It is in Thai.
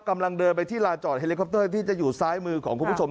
กำลังเดินไปที่ลาจอดเฮลิคอปเตอร์ที่จะอยู่ซ้ายมือของคุณผู้ชม